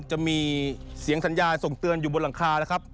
จะมีเสียงสัญญาส่งเตือนอยู่บนหลังคานะครับ